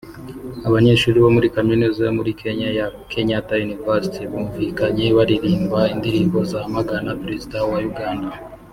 Abanyeshuli bo muri Kaminuza yo muri Kenya ya Kenyatta University bumvikanye baririmba indirimbo zamagana Perezida wa Uganda